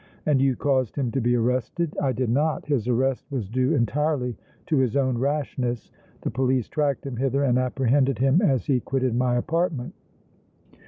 "And you caused him to be arrested?" "I did not. His arrest was due entirely to his own rashness. The police tracked him hither and apprehended him as he quitted my apartment."